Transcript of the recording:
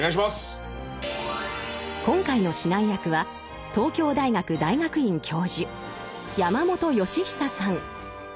今回の指南役は東京大学大学院教授山本芳久さん。